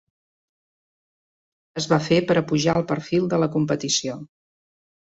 Aquest canvi es va fer per apujar el perfil de la competició.